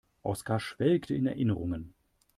Oskar schwelgte in Erinnerungen.